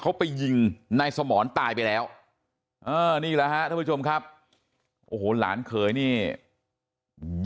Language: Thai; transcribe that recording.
เขาไปยิงนายสมรตายไปแล้วนี่แหละฮะท่านผู้ชมครับโอ้โหหลานเขยนี่